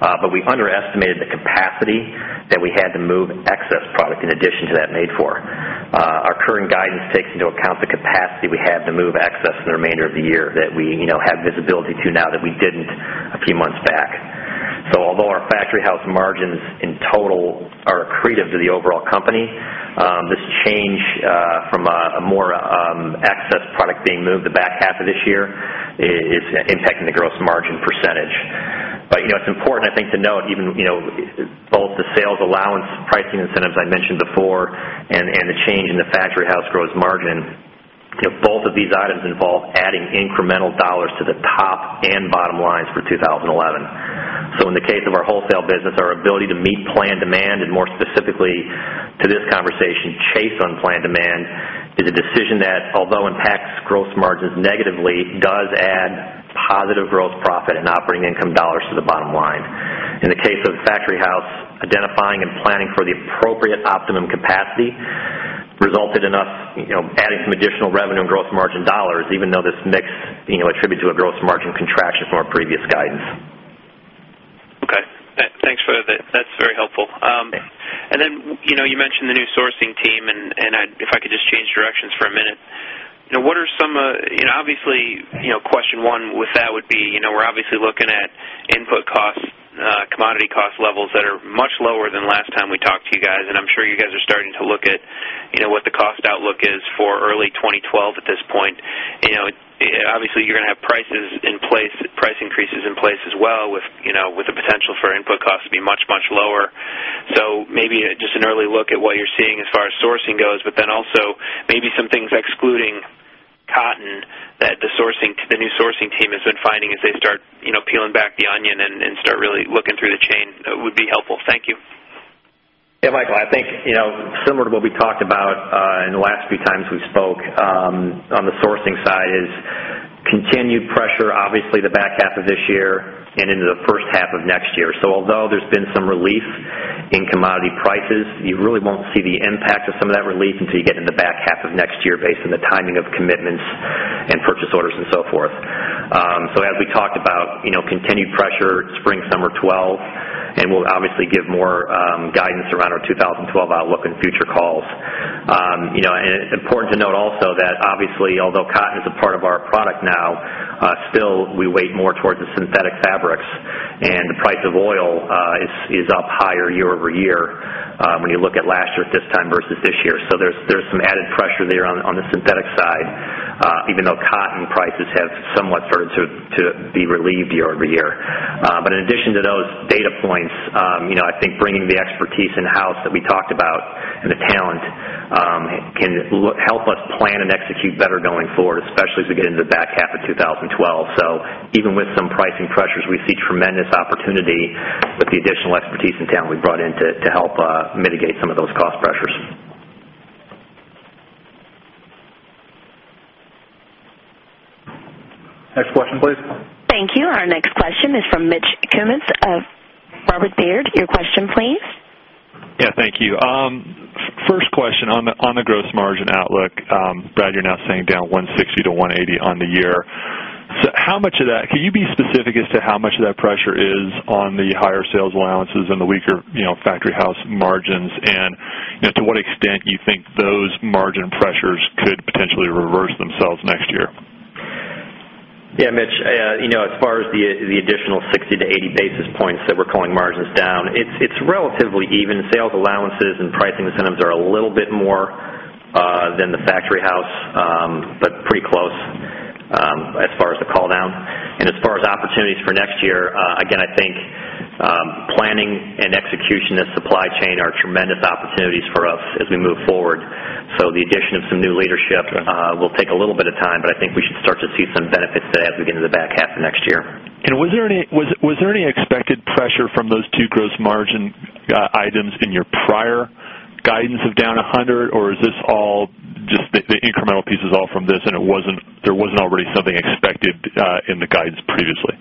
[SPEAKER 4] but we underestimated the capacity that we had to move excess product in addition to that made-for. Our current guidance takes into account the capacity we have to move excess in the remainder of the year that we have visibility to now that we didn't a few months back. Although our factory house margins in total are accretive to the overall company, this change, from more excess product being moved the back half of this year, is impacting the gross margin percentage. It's important, I think, to note even both the sales allowance pricing incentives I mentioned before and the change in the factory house gross margin, both of these items involve adding incremental dollars to the top and bottom lines for 2011. In the case of our wholesale business, our ability to meet planned demand and more specifically to this conversation, chase unplanned demand is a decision that, although impacts gross margins negatively, does add positive gross profit and operating income dollars to the bottom line. In the case of the factory house, identifying and planning for the appropriate optimum capacity resulted in us adding some additional revenue and gross margin dollars, even though this mix attributes to a gross margin contraction from our previous guidance.
[SPEAKER 6] Okay, thanks for that. That's very helpful.
[SPEAKER 4] Okay.
[SPEAKER 6] You mentioned the new sourcing team. If I could just change directions for a minute, what are some—obviously, question one with that would be, we're obviously looking at input costs, commodity cost levels that are much lower than last time we talked to you guys. I'm sure you guys are starting to look at what the cost outlook is for early 2012 at this point. Obviously, you're going to have price increases in place as well with the potential for input costs to be much, much lower. Maybe just an early look at what you're seeing as far as sourcing goes, but then also maybe some things excluding cotton that the new sourcing team has been finding as they start peeling back the onion and start really looking through the chain would be helpful. Thank you.
[SPEAKER 4] Yeah, Michael, I think, you know, similar to what we talked about in the last few times we spoke, on the sourcing side is continued pressure, obviously, the back half of this year and into the first half of next year. Although there's been some relief in commodity prices, you really won't see the impact of some of that relief until you get into the back half of next year based on the timing of commitments and purchase orders and so forth. As we talked about, you know, continued pressure, spring, summer 2012, and we'll obviously give more guidance around our 2012 outlook in future calls. You know, and it's important to note also that obviously, although cotton is a part of our product now, still we weighed more towards the synthetic fabrics, and the price of oil is up higher year-over-year, when you look at last year at this time versus this year. There's some added pressure there on the synthetic side, even though cotton prices have somewhat started to be relieved year-over-year. In addition to those data points, I think bringing the expertise in-house that we talked about and the talent can help us plan and execute better going forward, especially as we get into the back half of 2012. Even with some pricing pressures, we see tremendous opportunity with the additional expertise and talent we brought in to help mitigate some of those cost pressures.
[SPEAKER 2] Next question, please.
[SPEAKER 1] Thank you. Our next question is from [Mitch Cummins] of Robert Baird. Your question, please. Yeah, thank you. First question on the gross margin outlook. Brad, you're now saying down 160-180 on the year. How much of that, can you be specific as to how much of that pressure is on the higher sales allowances and the weaker, you know, factory house margins, and to what extent you think those margin pressures could potentially reverse themselves next year?
[SPEAKER 4] Yeah, Mitch. As far as the additional 60 basis points-80 basis points that we're calling margins down, it's relatively even. Sales allowances and pricing incentives are a little bit more than the factory house, but pretty close as far as the call down. As far as opportunities for next year, I think planning and execution of supply chain are tremendous opportunities for us as we move forward. The addition of some new leadership will take a little bit of time, but I think we should start to see some benefits as we get into the back half of next year. Was there any expected pressure from those two gross margin items in your prior guidance of down 100, or is this all just the incremental pieces all from this and it wasn't there wasn't already something expected in the guidance previously?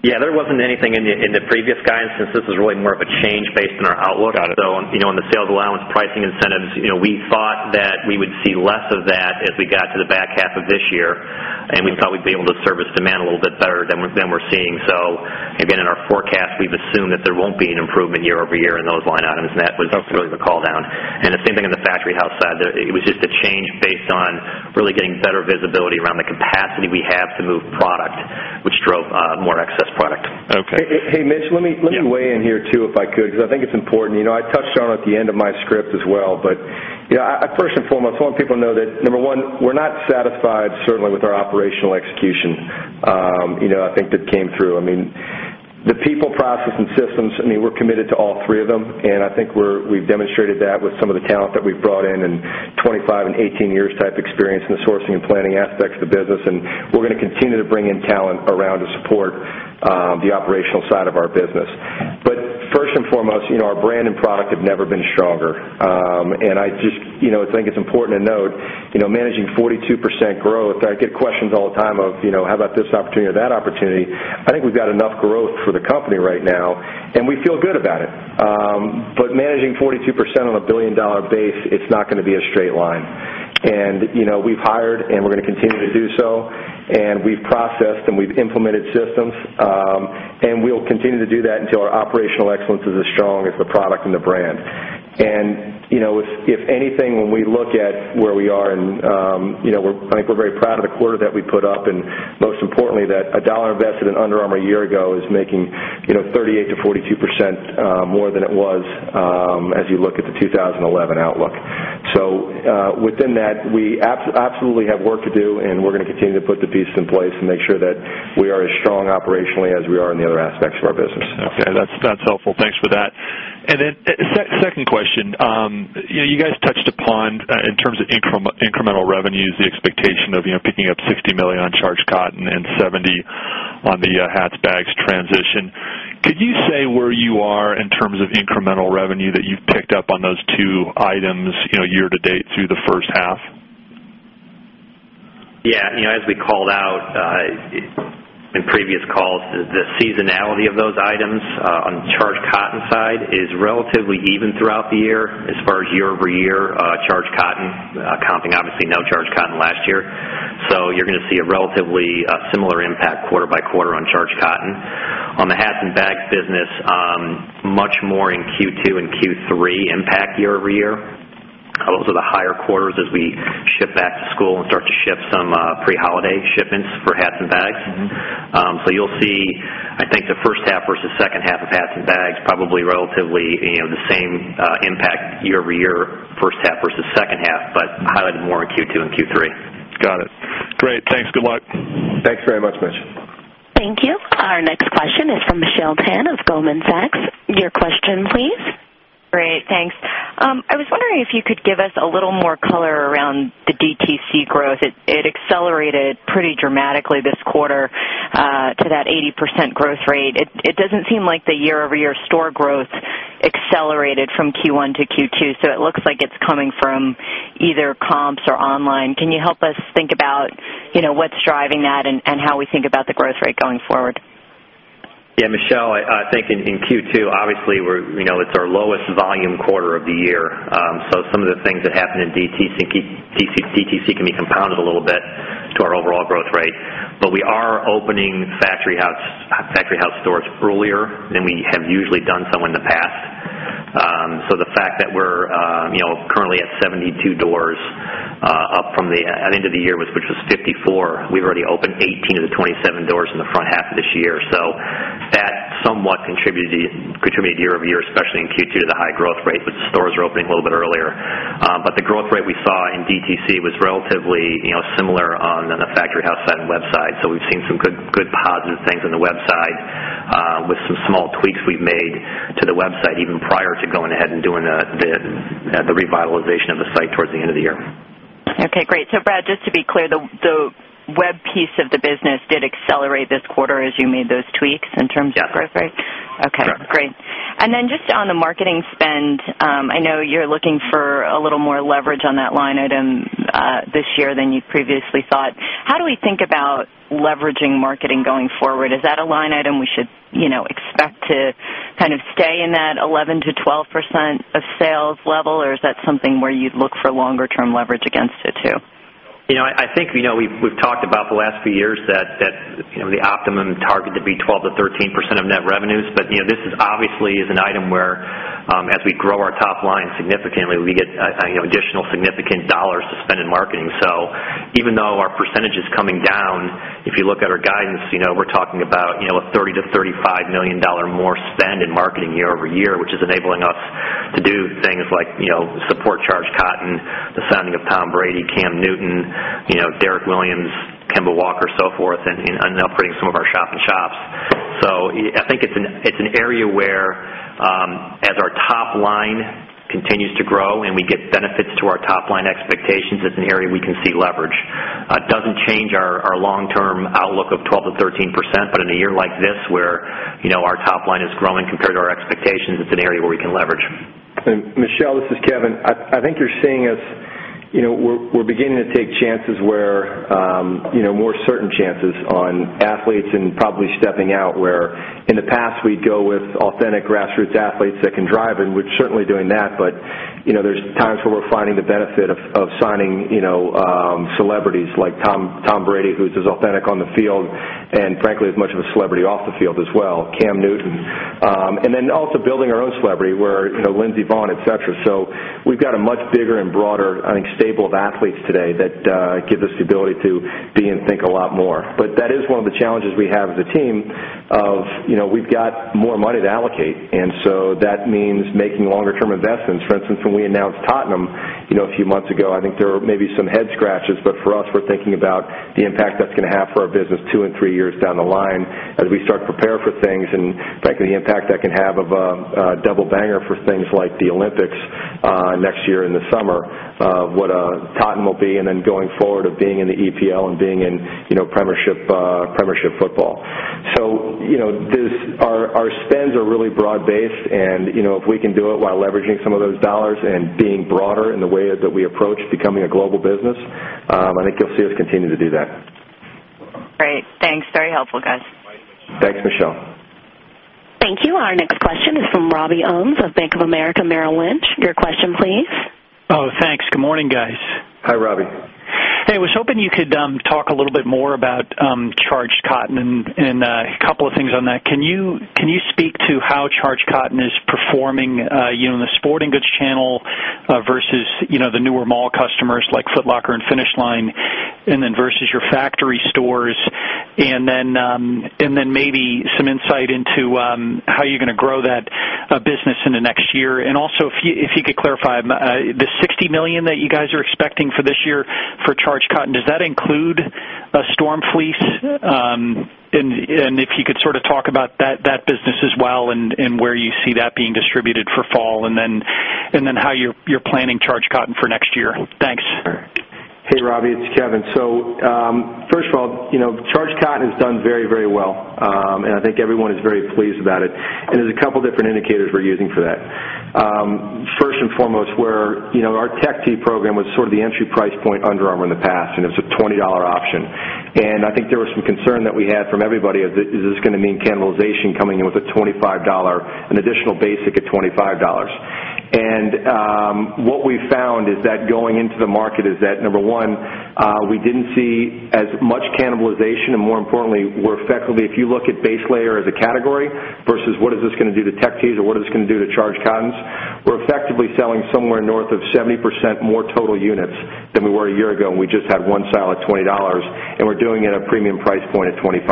[SPEAKER 4] Yeah, there wasn't anything in the previous guidance since this was really more of a change based on our outlook. Got it. On the sales allowance pricing incentives, we thought that we would see less of that as we got to the back half of this year, and we thought we'd be able to service demand a little bit better than we're seeing. In our forecast, we've assumed that there won't be an improvement year-over-year in those line items, and that was really the call down. The same thing on the factory house side, it was just a change based on really getting better visibility around the capacity we have to move product, which drove more excess product. Okay.
[SPEAKER 3] Hey, Mitch, let me weigh in here too if I could because I think it's important. I touched on it at the end of my script as well, but first and foremost, I want people to know that, number one, we're not satisfied certainly with our operational execution. I think that came through. The people, process, and systems, we're committed to all three of them, and I think we've demonstrated that with some of the talent that we've brought in and 25 and 18 years type experience in the sourcing and planning aspects of the business, and we're going to continue to bring in talent around to support the operational side of our business. First and foremost, our brand and product have never been stronger. I just think it's important to note, managing 42% growth, I get questions all the time of, how about this opportunity or that opportunity. I think we've got enough growth for the company right now, and we feel good about it. Managing 42% on a billion-dollar base, it's not going to be a straight line. We've hired, and we're going to continue to do so, and we've processed and we've implemented systems, and we'll continue to do that until our operational excellence is as strong as the product and the brand. If anything, when we look at where we are, I think we're very proud of the quarter that we put up and most importantly that a dollar invested in Under Armour a year ago is making 38%-42% more than it was, as you look at the 2011 outlook. Within that, we absolutely have work to do, and we're going to continue to put the pieces in place and make sure that we are as strong operationally as we are in the other aspects of our business. Okay. That's helpful. Thanks for that. Then second question, you guys touched upon, in terms of incremental revenues, the expectation of picking up $60 million on Charged Cotton and $70 million on the hats and bags transition. Could you say where you are in terms of incremental revenue that you've picked up on those two items year to date through the first half?
[SPEAKER 4] Yeah, you know, as we called out in previous calls, the seasonality of those items on the Charged Cotton side is relatively even throughout the year as far as year-over-year, Charged Cotton, counting obviously no Charged Cotton last year. You're going to see a relatively similar impact quarter by quarter on Charged Cotton. On the hats and bags business, much more in Q2 and Q3 impact year-over-year. Those are the higher quarters as we ship back to school and start to ship some pre-holiday shipments for hats and bags. Mm-hmm. You'll see, I think, the first half versus second half of hats and bags probably relatively, you know, the same impact year-over-year, first half versus second half, but highlighted more in Q2 and Q3. Got it. Great. Thanks. Good luck.
[SPEAKER 2] Thanks very much, Mitch.
[SPEAKER 1] Thank you. Our next question is from Michelle Tan of Goldman Sachs. Your question, please.
[SPEAKER 7] Great. Thanks. I was wondering if you could give us a little more color around the DTC growth. It accelerated pretty dramatically this quarter, to that 80% growth rate. It doesn't seem like the year-over-year store growth accelerated from Q1 to Q2. It looks like it's coming from either comps or online. Can you help us think about what's driving that and how we think about the growth rate going forward?
[SPEAKER 4] Yeah, Michelle, I think in Q2, obviously, it's our lowest volume quarter of the year. Some of the things that happened in DTC can be compounded a little bit to our overall growth rate. We are opening factory house stores earlier than we have usually done in the past. The fact that we're currently at 72 doors, up from the end of the year, which was 54, we've already opened 18 of the 27 doors in the front half of this year. That somewhat contributed year-over-year, especially in Q2, to the high growth rate. The stores are opening a little bit earlier. The growth rate we saw in DTC was relatively similar on the factory house side and website. We've seen some good, positive things on the website, with some small tweaks we've made to the website even prior to going ahead and doing the revitalization of the site towards the end of the year.
[SPEAKER 7] Okay. Great. Brad, just to be clear, the web piece of the business did accelerate this quarter as you made those tweaks in terms of growth rate?
[SPEAKER 4] Yeah.
[SPEAKER 7] Okay. Great. On the marketing spend, I know you're looking for a little more leverage on that line item this year than you previously thought. How do we think about leveraging marketing going forward? Is that a line item we should expect to kind of stay in that 11%-12% of sales level, or is that something where you'd look for longer-term leverage against it too?
[SPEAKER 4] I think we've talked about the last few years that that's the optimum target to be 12%-13% of net revenues. This is obviously an item where, as we grow our top line significantly, we get additional significant dollars to spend in marketing. Even though our percentage is coming down, if you look at our guidance, we're talking about a $30 million-$35 million more spend in marketing year-over-year, which is enabling us to do things like support Charged Cotton, the signing of Tom Brady, Cam Newton, Derek Williams, Kemba Walker, and upgrading some of our shop-in-shops. I think it's an area where, as our top line continues to grow and we get benefits to our top line expectations, it's an area we can see leverage. It doesn't change our long-term outlook of 12%-13%, but in a year like this where our top line is growing compared to our expectations, it's an area where we can leverage.
[SPEAKER 3] Michelle, this is Kevin. I think you're seeing us, you know, we're beginning to take chances where, you know, more certain chances on athletes and probably stepping out where in the past we'd go with authentic grassroots athletes that can drive, and we're certainly doing that. There are times where we're finding the benefit of signing, you know, celebrities like Tom Brady, who's as authentic on the field and frankly as much of a celebrity off the field as well, Cam Newton, and then also building our own celebrity where, you know, Lindsey Vonn, etc. We've got a much bigger and broader, I think, stable of athletes today that gives us the ability to be and think a lot more. That is one of the challenges we have as a team of, you know, we've got more money to allocate. That means making longer-term investments. For instance, when we announced Tottenham a few months ago, I think there were maybe some head scratches, but for us, we're thinking about the impact that's going to have for our business two and three years down the line as we start to prepare for things and, frankly, the impact that can have of a double banger for things like the Olympics next year in the summer, what Tottenham will be, and then going forward of being in the EPL and being in Premiership football. Our spends are really broad-based, and if we can do it while leveraging some of those dollars and being broader in the way that we approach becoming a global business, I think you'll see us continue to do that.
[SPEAKER 7] Great. Thanks. Very helpful, guys.
[SPEAKER 2] Thanks, Michelle.
[SPEAKER 1] Thank you. Our next question is from Robbie Owens of Bank of America Merrill Lynch. Your question, please.
[SPEAKER 8] Oh, thanks. Good morning, guys.
[SPEAKER 2] Hi, Robbie.
[SPEAKER 8] I was hoping you could talk a little bit more about Charged Cotton and a couple of things on that. Can you speak to how Charged Cotton is performing in the sporting goods channel versus the newer mall customers like Foot Locker and Finish Line, and then versus your factory stores? Maybe some insight into how you're going to grow that business in the next year. Also, if you could clarify the $60 million that you guys are expecting for this year for Charged Cotton, does that include Storm Fleece? If you could sort of talk about that business as well and where you see that being distributed for fall, and then how you're planning Charged Cotton for next year. Thanks.
[SPEAKER 3] All right. Hey, Robbie, it's Kevin. First of all, you know, Charged Cotton has done very, very well, and I think everyone is very pleased about it. There are a couple of different indicators we're using for that. First and foremost, our Tech Tee program was sort of the entry price point Under Armour in the past, and it was a $20 option. I think there was some concern that we had from everybody of, is this going to mean cannibalization coming in with a $25, an additional basic at $25? What we found going into the market is that, number one, we didn't see as much cannibalization, and more importantly, we're effectively, if you look at base layer as a category versus what is this going to do to Tech Tees or what is this going to do to Charged Cottons, we're effectively selling somewhere north of 70% more total units than we were a year ago, and we just had one sale at $20, and we're doing it at a premium price point at $25.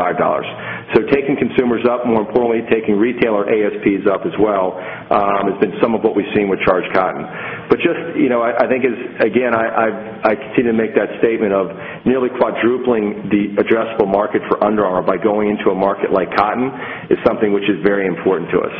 [SPEAKER 3] Taking consumers up, more importantly, taking retailer ASPs up as well, has been some of what we've seen with Charged Cotton. I think, as again, I continue to make that statement of nearly quadrupling the addressable market for Under Armour by going into a market like cotton is something which is very important to us.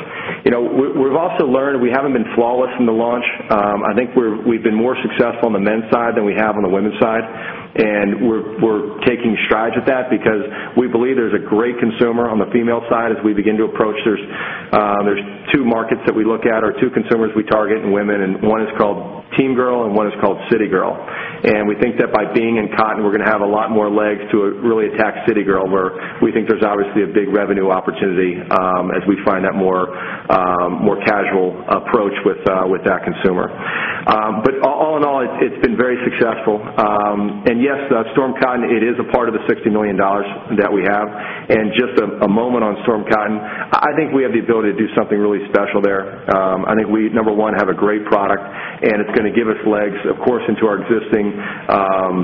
[SPEAKER 3] We've also learned we haven't been flawless in the launch. I think we've been more successful on the men's side than we have on the women's side, and we're taking strides at that because we believe there's a great consumer on the female side as we begin to approach. There are two markets that we look at or two consumers we target in women, and one is called Team Girl and one is called City Girl. We think that by being in cotton, we're going to have a lot more legs to really attack City Girl, where we think there's obviously a big revenue opportunity, as we find that more, more casual approach with that consumer. All in all, it's been very successful. Yes, Storm Cotton, it is a part of the $60 million that we have. Just a moment on Storm Cotton, I think we have the ability to do something really special there. I think we, number one, have a great product, and it's going to give us legs, of course, into our existing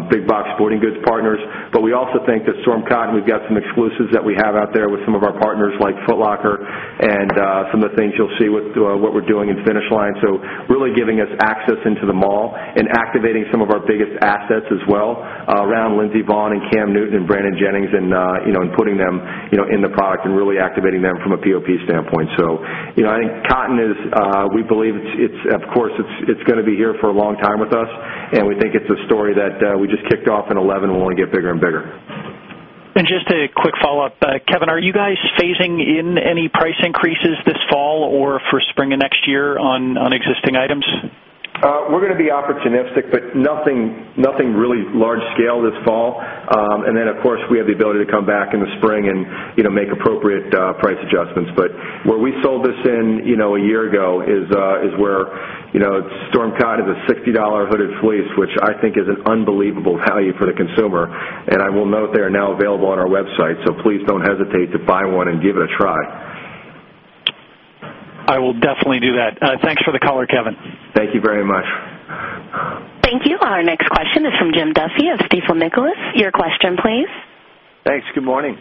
[SPEAKER 3] big box sporting goods partners. We also think that Storm Cotton, we've got some exclusives that we have out there with some of our partners like Foot Locker, and some of the things you'll see with what we're doing in Finish Line. Really giving us access into the mall and activating some of our biggest assets as well, around Lindsey Vonn and Cam Newton and Brandon Jennings, and putting them in the product and really activating them from a POP standpoint. We think Cotton is, we believe it's, of course, it's going to be here for a long time with us, and we think it's a story that we just kicked off in 2011 and we want to get bigger and bigger.
[SPEAKER 8] Just a quick follow-up. Kevin, are you guys phasing in any price increases this fall or for spring of next year on existing items?
[SPEAKER 3] We're going to be opportunistic, but nothing, nothing really large scale this fall. Of course, we have the ability to come back in the spring and, you know, make appropriate price adjustments. Where we sold this in, you know, a year ago is where, you know, Storm Cotton is a $60 hooded fleece, which I think is an unbelievable value for the consumer. I will note they are now available on our website, so please don't hesitate to buy one and give it a try.
[SPEAKER 8] I will definitely do that. Thanks for the call, Kevin.
[SPEAKER 3] Thank you very much.
[SPEAKER 1] Thank you. Our next question is from Jim Duffy of Stifel Nicolaus. Your question, please.
[SPEAKER 9] Thanks. Good morning.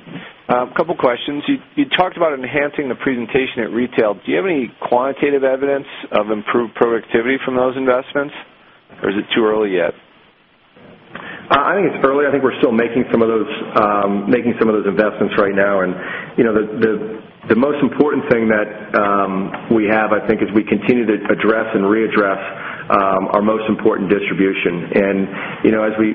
[SPEAKER 9] A couple of questions. You talked about enhancing the presentation at retail. Do you have any quantitative evidence of improved productivity from those investments, or is it too early yet?
[SPEAKER 3] I think it's early. I think we're still making some of those investments right now. The most important thing that we have, I think, is we continue to address and readdress our most important distribution.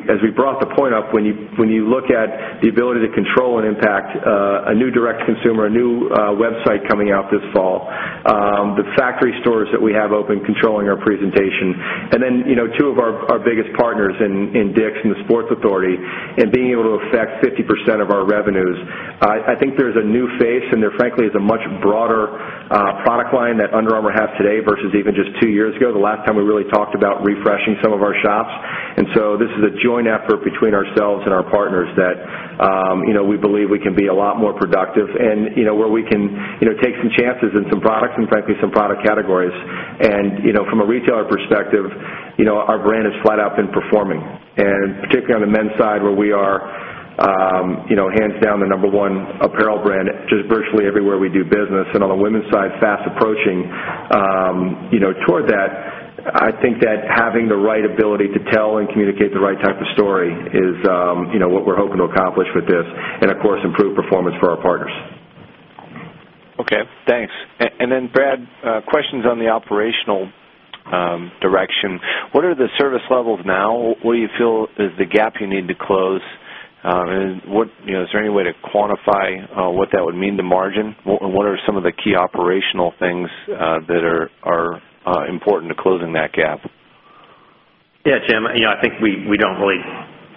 [SPEAKER 3] As we brought the point up, when you look at the ability to control and impact a new direct-to-consumer, a new website coming out this fall, the factory stores that we have open controlling our presentation, and then two of our biggest partners in DICK'S and The Sports Authority, and being able to affect 50% of our revenues, I think there's a new face, and there frankly is a much broader product line that Under Armour has today versus even just two years ago, the last time we really talked about refreshing some of our shops. This is a joint effort between ourselves and our partners that we believe we can be a lot more productive and where we can take some chances in some products and, frankly, some product categories. From a retailer perspective, our brand has flat out been performing, and particularly on the men's side, where we are hands down the number one apparel brand just virtually everywhere we do business. On the women's side, fast approaching toward that, I think that having the right ability to tell and communicate the right type of story is what we're hoping to accomplish with this, and of course, improve performance for our partners.
[SPEAKER 9] Okay. Thanks. Brad, questions on the operational direction. What are the service levels now? What do you feel is the gap you need to close, and is there any way to quantify what that would mean to margin? What are some of the key operational things that are important to closing that gap?
[SPEAKER 4] Yeah, Jim, I think we don't really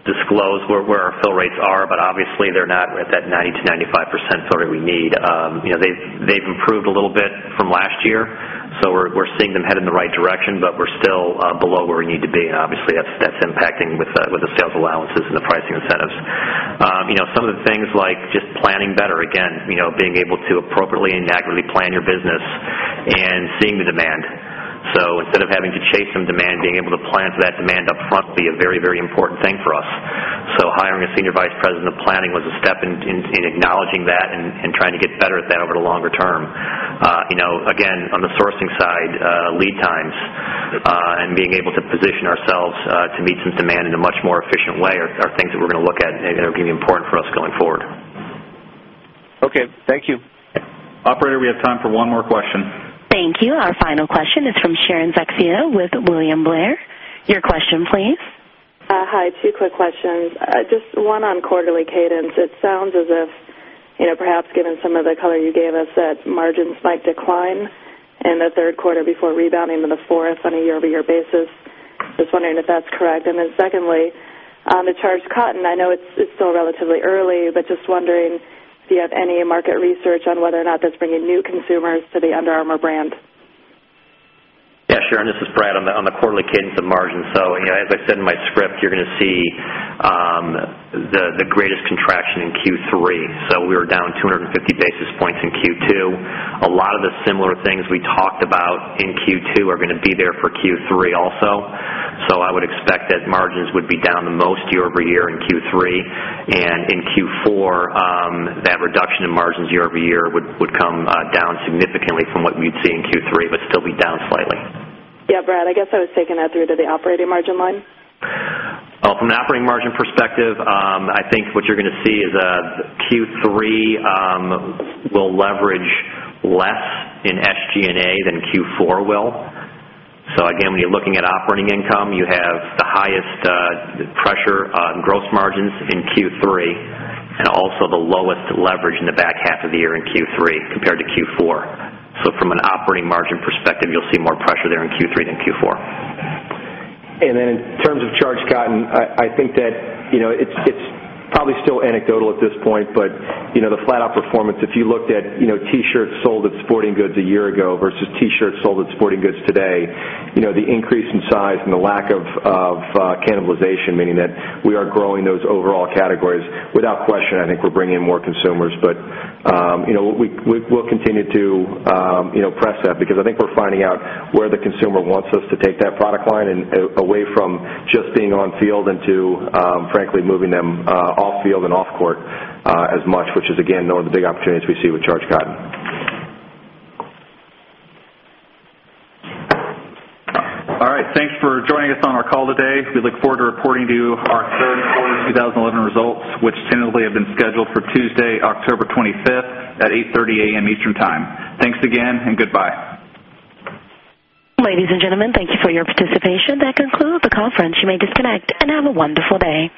[SPEAKER 4] disclose where our fill rates are, but obviously, they're not at that 90%-95% we need. They've improved a little bit from last year, so we're seeing them head in the right direction, but we're still below where we need to be. Obviously, that's impacting with the sales allowances and the pricing incentives. Some of the things like just planning better, again, being able to appropriately and accurately plan your business and seeing the demand. Instead of having to chase some demand, being able to plan for that demand upfront would be a very, very important thing for us. Hiring a Senior Vice President of Planning was a step in acknowledging that and trying to get better at that over the longer term. Again, on the sourcing side, lead times, and being able to position ourselves to meet some demand in a much more efficient way are things that we're going to look at and are going to be important for us going forward.
[SPEAKER 9] Okay, thank you.
[SPEAKER 2] Operator, we have time for one more question.
[SPEAKER 1] Thank you. Our final question is from Sharon Zackfia with William Blair. Your question, please.
[SPEAKER 10] Hi. Two quick questions. Just one on quarterly cadence. It sounds as if, you know, perhaps given some of the color you gave us, that margins might decline in the third quarter before rebounding to the fourth on a year-over-year basis. Just wondering if that's correct. Then secondly, on the Charged Cotton, I know it's still relatively early, but just wondering if you have any market research on whether or not that's bringing new consumers to the Under Armour brand.
[SPEAKER 4] Yeah, Sharon, this is Brad on the quarterly cadence of margins. As I said in my script, you're going to see the greatest contraction in Q3. We were down 250 basis points in Q2. A lot of the similar things we talked about in Q2 are going to be there for Q3 also. I would expect that margins would be down the most year-over-year in Q3. In Q4, that reduction in margins year-over-year would come down significantly from what we'd see in Q3, but still be down slightly.
[SPEAKER 10] Yeah, Brad, I guess I was taking that through to the operating margin line.
[SPEAKER 4] Oh, from the operating margin perspective, I think what you're going to see is, Q3 will leverage less in SG&A than Q4 will. When you're looking at operating income, you have the highest pressure on gross margins in Q3 and also the lowest leverage in the back half of the year in Q3 compared to Q4. From an operating margin perspective, you'll see more pressure there in Q3 than Q4.
[SPEAKER 3] In terms of Charged Cotton, I think that, you know, it's probably still anecdotal at this point, but the flat-out performance, if you looked at T-shirts sold at sporting goods a year ago versus T-shirts sold at sporting goods today, the increase in size and the lack of cannibalization, meaning that we are growing those overall categories, without question, I think we're bringing in more consumers. We will continue to press that because I think we're finding out where the consumer wants us to take that product line and away from just being on field and to, frankly, moving them off field and off court as much, which is, again, one of the big opportunities we see with Charged Cotton.
[SPEAKER 2] All right. Thanks for joining us on our call today. We look forward to reporting to you our third quarter of 2011 results, which tentatively have been scheduled for Tuesday, October 25th, at 8:30 A.M. Eastern Time. Thanks again and goodbye.
[SPEAKER 1] Ladies and gentlemen, thank you for your participation. That concludes the conference. You may disconnect and have a wonderful day.